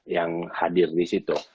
yang hadir di situ